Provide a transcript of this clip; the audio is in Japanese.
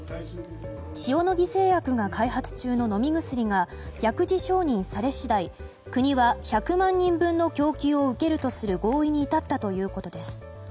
塩野義製薬が開発中の飲み薬が薬事承認され次第国は１００万人分の供給を受けるとする合意に至ったということです。